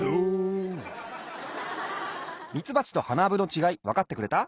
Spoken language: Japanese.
ミツバチとハナアブのちがいわかってくれた？